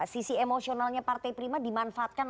sisi emosionalnya partai prima dimanfaatkan